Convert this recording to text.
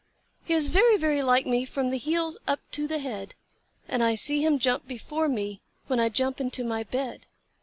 He is very, very like me from the heels up to the head; And I see him jump before me, when I jump into my bed.